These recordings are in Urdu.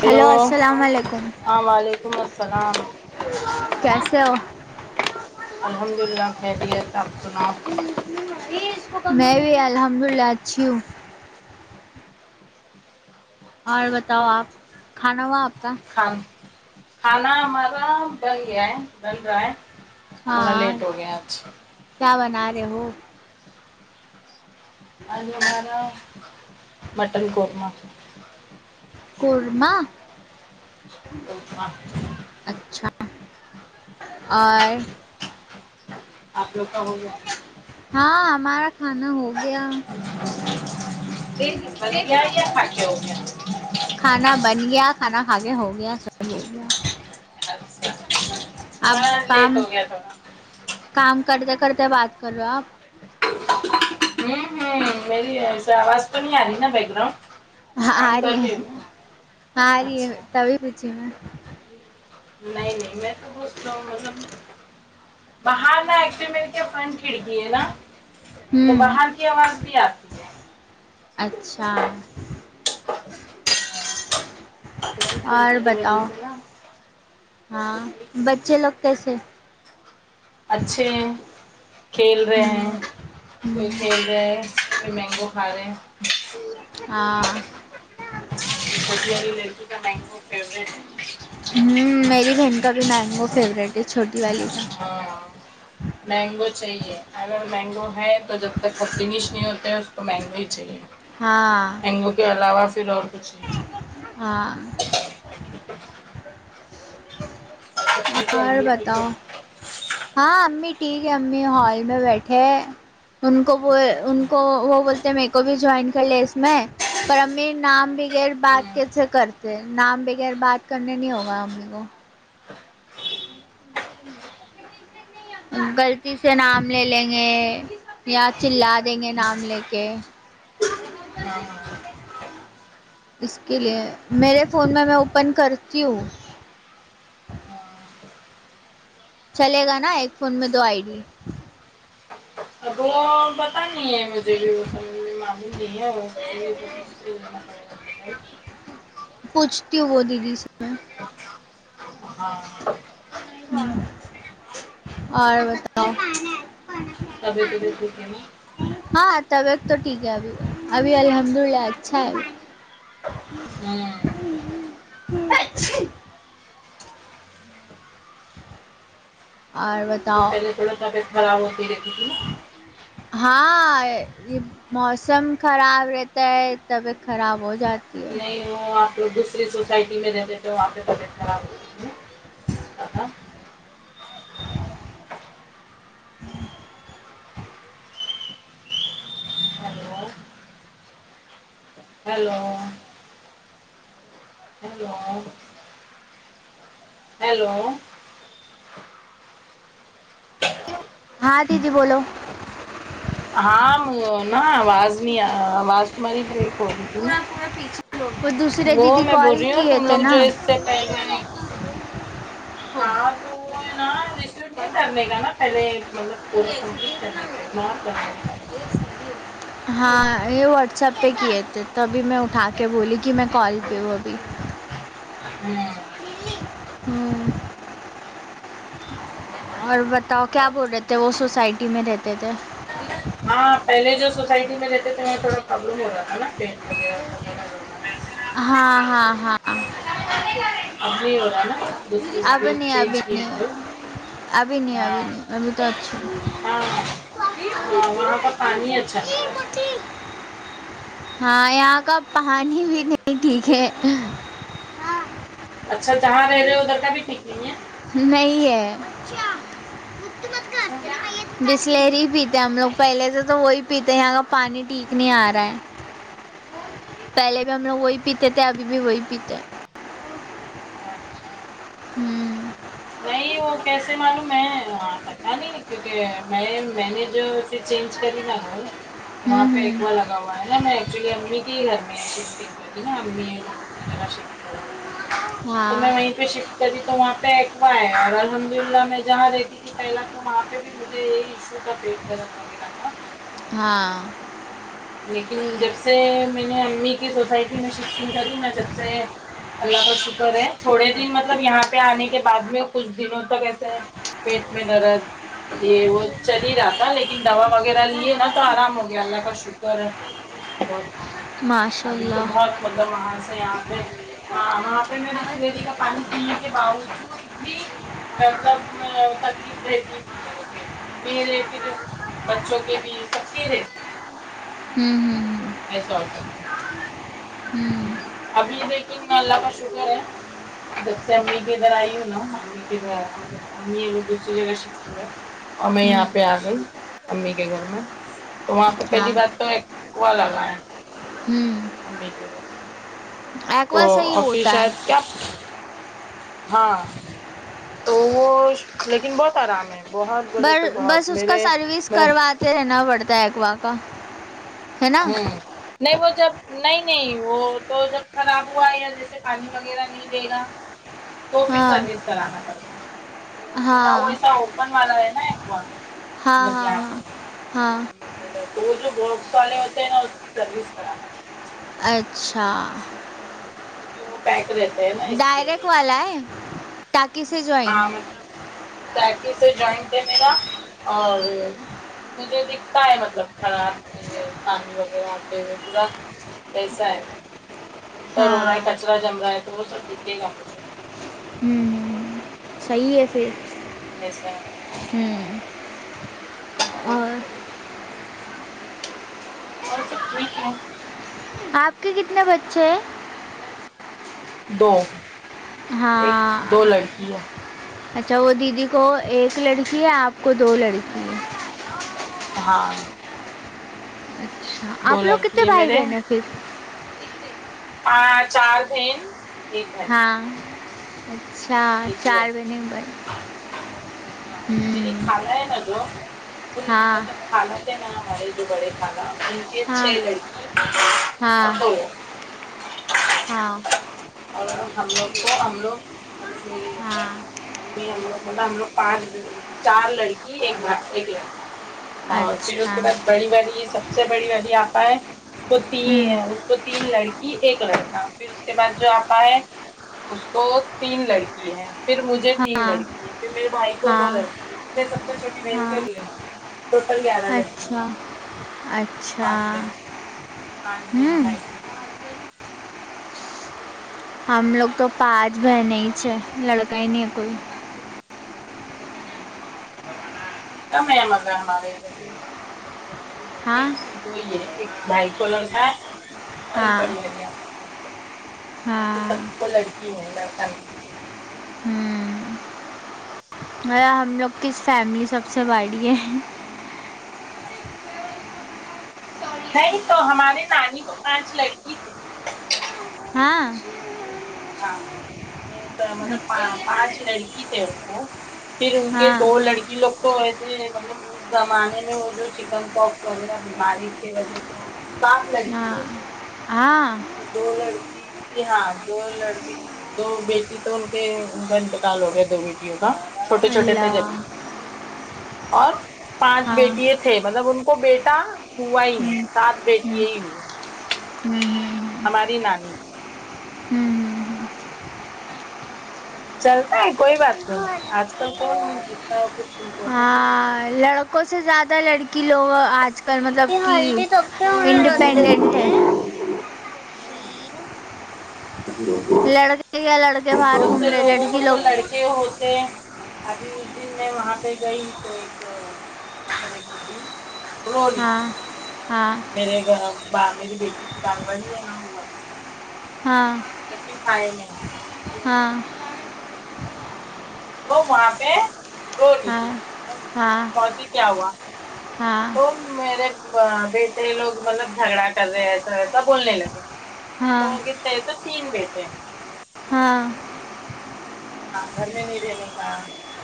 ہلو ہیلو السلام علیکم ہاں وعلیکم السلام کیسے ہو الحمد للہ خریت آپ سناو میں بھی الحمد اللہ اچھی ہوں اور بتاؤ آپ کھانا ہوا آپ کا کھان کھانا ہمارا بن گیا ہے ڈل رہا ہے تھوڑا ہاں لیٹ ہو گیا آج سے کیا بنا رہے ہو آج ہمارا مٹن قورمہ قورما [unintelligible] اچھا اور آپ لوگ کا ہوگیا ہاں ہمارا کھانا ہو گیا دیکھی بن گیا دیکھنا یا کھا کے ہو گیا کھانا بن گیا کھانا کھا کے ہو گیا سب اچھا آپ ہمارا لیٹ کام ہو گیا تھوڑا کام کرتے کرتے بات کر رہے آپ ہوں ہوں میری آواز تو نہیں آ رہی نا بیک گراؤنڈ آ کام کر رہی ہے ہو آ رہی اچھا ہے تبھی پوچھی میں نہیں نہیں میں تو بس مطلب باہر نا ایکسیمزیم بن کیجیے نا تو ہوں باہر کی آواز بھی آتی ہے اچھا ہاں اور بتاؤ ہاں سب ٹھیک ہے بچے لوگ کیسے اچھے ہیں کھیل رہے ہوں، ہیں کوئی کھھیل رہائے ہے کوئی مینگو کھا رہے ہیں ہاں چھوٹی والی لڑکی کا مینگو فیوریٹ ہے ہوں میری بہن کا بھی مینگو فیوریٹ ہے چھوٹی والی کا ہاں مینگو چاہیے اگر مینگو ہے تو جب تک فنش نہیں ہوتے ہیں اس کو مینگو ہی چاہیے ہاں کے علاوہ پھر اور کچھ نہیں ہاں [unintelligible] اور ٹھیک ہے بتاؤ ہاں امی ٹھیک ہے امی ہال میں بیٹھے ہے ان کو وہ ان کو وہ بولتے میرے کو بھی جوائن کر لے اس میں پر امی نام بھی بغیر ہاں بات کیسے کرتے نام بغیر بات کرنے نہیں ہوگا امی کو غلطی سے نام لے لیں گے یا چلا دیں گے ہاں نام لے کے ہاں ہاں اس کے لیے میرے فون میں میں اوپن کرتی ہوں چلے گا نا ایک فون میں دو آئی ڈی ا وہ پتا نہیں ہے مجھے بھی وہ سمجھ میں معلوم نہیں ہے [unintelligible] پوچھتی ہوں وہ دیدی سے ہاں اور بتاؤ [unintelligible] ہاں طبیعت تو ٹھیک ہے ابھی ابھی الحمد اللہ اچھا ہے [inaudible] [unintelligible] [unintelligible] اور بت پہلے تھوڑا طبیعت خراب ہوتی دیکھی تھی ہاں یہ موسم خراب رہتا ہے طبیعت خراب ہو جاتا نہیں وہ آپ لوگ دوسری سوسائٹی میں رہتے تھے وہاں پہ طبیعت خراب ہوتی [unintelligible] ہیلو ہیلو ہلو ہیلو ہاں دیدی بولو ہاں نا آواز نہیں آواز تمہاری بریک ہوگی تھی نا وہ دوسرے وہ دیدی میں بول کال رہی ہوں کیے تم تھے لوگ نا جو اس سے پہلے ہاں تو وہ ہے نا ریسیو نہیں کرنے کا نا پہلے مطلب پورا کمپلیٹ کرنے کا اگن [unintelligible] ہاں یہ واٹسپ پہ کیے تھے تو ابھی میں اٹھا کے بولی کہ میں کال پہ ہوں ابھی ہوں ہوں اور بتاؤ کیا بول رہے تھے وہ سوسائٹی میں رہتے تھے ہاں پہلے جو سوسائٹی میں رہتے تھے تھوڑا پرابلم ہو رہا تھا نا پیٹ وغیرہ کا [unintelligible] ہاں ہاں ہاں اب نہیں ابھی نہیں [unintelligible] ابھی نہیں ہاں ابھی نہیں ابھی تو اچھا ہاں ہاں وہاں کا پانی اچھا نہیں ہے شاید [unintelligible] ہاں یہاں کا پانی بھی نہیں ٹھیک ہے اچھا جہاں رہے ہو ادھر کا بھی ٹھیک نہیں ہے نہیں ہے اچھا بسلری ہی پیتے ہیں ہم لوگ پہلے سے تو وہی پیتے ہیں یہاں کا پانی ٹھیک نہیں آ رہا ہے ج پہلے بھی ہم لوگ وہی پیتے تھے ابھی بھی وہی پیتے اچھا ہوں ہاں نہیں وہ کیسے معلوم میں آتا تھا نہیں کیونکہ میں میں نے جو چینج کر ہی نہا تو وہاں ہوں پہ ایک بار ہوں گا ہے میںچولی امی کی گھر میں شفٹگ کریا ا ہممی لوگ دوسری جگہ شف تو میں ہاں وہیں پہ شفٹ کری تو وہاں پہ اخوا ہے اور الحمد للہ میں جہاں رہتی پہلا تو وہاں پہ بھی مجھے یہی ایشو کا پیٹ درد لگے گا تھا ہاں لیکن جب سے میں نے امی کی سوسائٹی میں شفٹنگ کری نا جب سے اللہ کا شکر ہے تھوڑے دن مطلب یہاں پہ آنے کے بعد میں کچھ دنوں تک ایسے ہے پیٹ میں درد یہ وہ چل ہی رہا تھا لیکن دوا وغیرہ لیے نا تو آرام ہو گیا اللہ کا شکر ہے بہت ماشاء ابھی تو اللہ بہت مطلب وہاں سے یہاں پہ ہاں وہاں پہ میں بسلیری کا پانی پینے کے باوجود بھی مطلب میں تکلیف رہتی میرے پھر بچوں کے بھی سب کے ہے ہمم ہمم ایسا ہوتا ہوں تھا ابھی لیکن اللہ کا شکر ہے جب سے امی کےگھر آئیوں نا امی گھر مطلب امی یہ دوسری جگہ شفٹ ہوگئیں ہے اور میں ہوں یہاں ہوں پہ آ گئی امی کے گھر میں تو وہاں پہ ہاں پہلی بات تو ایک کنواں لگا ہے ہوں امی کے تو ایکوا صحیح اور پھر ہوتا ہے شاید کیا ہاں تو وہ لیکن بہت آرام ہے بہت بولے بر تو بس بہت اس کا میرے سروس میں کرواتے رہنا پڑتا ہے اکوا کا ہے نا ہوں نہیں وہ جب نہیں نہیں وہ تو جب خراب ہوا یا جیسے پانی وغیرہ نہیں دے گا تو پھر ہاں سروس کرانا پڑتا جو میرا وہ ہاں ایسا اوپن والا ہے نا اکوا ہاں ہاں یہاں پہ ہاں ہاں کہ رہ تو وہ جو باکس والے ہوتے ہیں نا اس کی سروس خراب اچھا کیونکہ وہ پیک رہ ڈائریکٹ والا ہے تاکی سے جو ہے ہاں مطلب ٹینکی سے جائنٹ ہے میرا اور مجھے دکھتا ہے مطلب خراب یہ پانی وغیرہ آتے ہوئے پورا کیسا ہے گا انٹر ہو رہا ہاں ہے کچرا جم رہا ہے تو وہ سب دکھے گا مجھ ہوں صحیح ہے پھر ایسا ہوں اور اور سب ٹھیک ہے آپ کے کتنے بچے ہیں دو ایک ہاں دو لڑکی ہے اچھا وہ دیدی کو ایک لڑکی ہے آپ کو دو لڑکی ہے ہاں اچھا دو آپ لوگ لڑکی کتنے ہے بھائی میرے بہن ہیں پھر پانچ چار تھے ایک بھائی اچھا ایک ہی بھائی چار بہنیں ایک بھائی ہاں وہ میری ہوں کھالا ہے نا جو ہاں کھالا تھے ن ہمارے دوبڑے کھالا ان کے ہاں چھ لڑکی ہاں اور وہ ہاں اور ہم لوگ کو ہم لوگ ہاں ہم بھی ہم لوگ مطلب ہم لوگ [unintelligible] پانچ چار لڑکی ایک با ایک لڑکا اور پھر اس اچھا کے بعد بڑی والی سب سے بڑی والی آپا ہے اس ہوں تین اس کو تین لڑکی ایک لڑکا پھر اس کے بعد جو آپ ہے اس کو تین لڑکی ہیں پھر مجھے تین ہاں لڑکی ہے پھر میرے بھائی کو دو ہاں لڑکی ہے پھر میری سب سے چھوٹی بہن بھی ہاں ایک لڑکی ہے ٹوٹل گیارہ لڑکی اچھا اچھا پانچ بہن ہوں بھائی ہم لوگ تو پانچ بہنیں ہی چہی ہے لڑکا ہی نہیں ہے کوئی [unintelligible] ہاں لڑک دو ہی ایک بھائی کو لڑکا ہے اور ہاں بڑی آپا کو باقی ہاں سب کو لڑکی ہے لڑکی ہے لڑکا نہی ہا ہم لوگ کس فیملی سب سے بڑی ہے نہیں تو ہمارے نانی کو پانچ لڑکی تھے ہاں ہاں یے تو مطلب پا نچ پانچ لڑکی تھے ان کو پھر ان کے ہاں دو لڑکی لوگ تو ایسے مطلب اس زمانے میں وہ جو چکن پپ وغیرہ بیماری کی وجہ سے سات لڑکی ہاں ہوے تھے ہاں تو دو لڑکی کی ہاں دو لڑکے دو بیٹی تو ان کے اں کا انتکال ہو گیا دو بیٹیوں کا چھوٹے چھوٹے تھے جب ہی اللہ اور پانچ ہاں ہوں بیٹیے تھے مطلب ان کو بیٹا ہوا ہی نہیں ہوں سات ہوں بیٹی ہی ہوئے ہوں ہ ہماری نانی کو ہوں چلتا ہے کوئی بات نہیں آج کل کون اںتا کچھ امپٹینٹ نہیں ہے لائف کا ہالڑکوں سے زیادہ لڑکی کہ لوگ آج کل مطلب یہ کہ ہلدی تب سے ہونے انڈیپینڈنٹ ہیں ام لڑکے کیا لڑکے باہر بہت گھوم سے رہے لوگوں کو لڑکی تو لوگ لڑکے کےہوتے ابھی اس دن میں وہاں پہ گئی تو ایک [unintelligible] ت رولی ہاں ہاں سے میرے گھر باہ میری بیٹی کی دال بڑی ہے نہ ہوا مے [unintelligible] ہاں تھرٹی فائی میں ہاں نمبر تو وہاں پہ رو ری ہاں تھی ہاں موسیی کیا ہوا ہاں تو میرے ب بیٹے لوگ مطلب جھگڑا کر رہے ہیں ایسا وسا بولنے لگی ہاں تو کتے ہے تو تین بیٹے ہے ہاں گھر میں نہی رہنے کا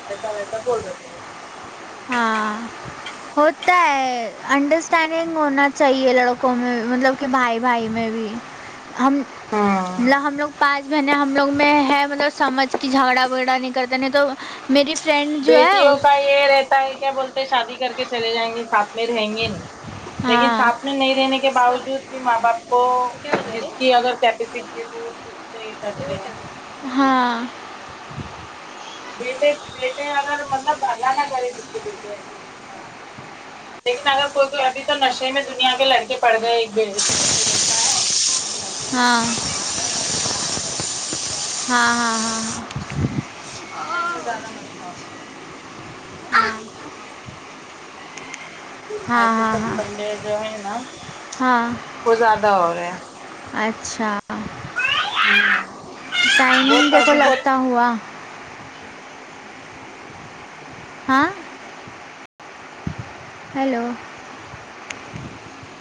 ایسا ویسا بولر ہے تھے مے کو ہاں ہوتا ہے انڈرسٹینڈنگ ہونا چاہیے لڑکوں میں مطلب کہ بھائی بھائی میں بھی ہم ہاں ہم لوگ پانچ بہنیں ہم لوگ میں ہے مطلب سمجھ کی جھاگڑا وگڑا نہیں کرتے نہیں تو میری فرینڈ جو ہے بیٹیوں اس کا یہ رہتا ہے کیا بولتے شادی کر کے چلے جائیں گے ساتھ میں رہیں گے نہیں لیکن ساس ہاں نہیں رہنے کے باوجود بھی ماں باپ کو جس کی اگر کیپیسٹی ہے تو صاہی کرتے ہیں ہاں بیٹیاں بیٹے بیٹے اگر مطلب اللہ نہ کرے جس کے بیٹے ایسے خراب نکلے لیکن اگر کوئی کوئی ابھی تو نشے میں دنیا کے لڑکے پڑ گئے ایک ہے ہاں ہاں ہاں ہاں ہاں ایسا زیادہ مسئلہ ہونے لگا ہاں ہے ای توے ہاں تو ہاں پنڈے جو ہے نا ہاں وہ زیادہ ہو رہا ہے اچھا ہاں ٹائمنگ دیکھو لپٹا ہوا ہاں ہیلو